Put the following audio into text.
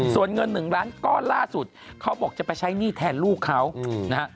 ส่วนเงิน๑ล้านก้อนล่าสุดเขาบอกจะไปใช้หนี้แทนลูกเขานะฮะ